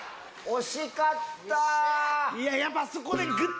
惜しかった！